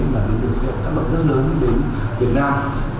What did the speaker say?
nó đã đưa khí hậu tác động rất lớn đến việt nam